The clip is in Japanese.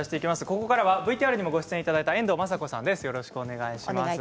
ここからはＶＴＲにもご出演いただいた遠藤まさ子さんです。